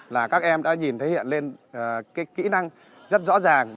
là các em đã nhìn thấy hiện lên kỹ năng rất rõ ràng